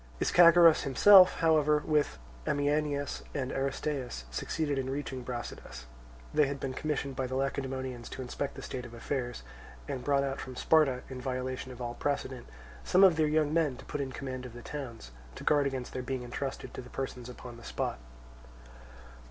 Ischagoras himself, however, with Ameinias and Aristeus, succeeded in reaching Brasidas; they had been commissioned by the Lacedaemonians to inspect the state of affairs, and brought out from Sparta (in violation of all precedent) some of their young men to put in command of the towns, to guard against their being entrusted to the persons upon the spot.